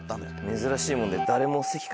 珍しいもんで。